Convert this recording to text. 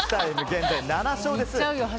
現在、７勝です。